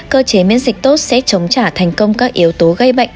cơ chế miễn dịch tốt sẽ chống trả thành công các yếu tố gây bệnh